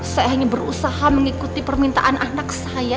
saya hanya berusaha mengikuti permintaan anak saya